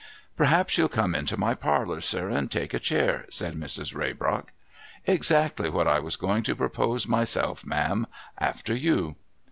' Perhaps you'll come into my parlour, sir, and take a chair ?' said Mrs. Raybrock. ' Ex actly what I was going to propose myself, ma'am. After you.'